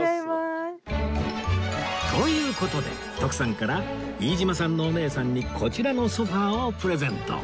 という事で徳さんから飯島さんのお姉さんにこちらのソファをプレゼント